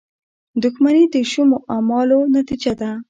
• دښمني د شومو اعمالو نتیجه ده.